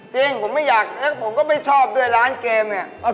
จริงผมไม่อยากแล้วผมก็ไม่ชอบด้วยร้านเกมเนี่ย